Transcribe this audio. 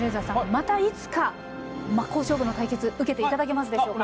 またいつか真っ向勝負の対決受けていただけますでしょうか？